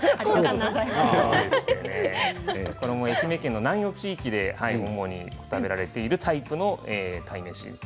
愛媛県の南予地域で主に食べられているタイプの鯛飯です。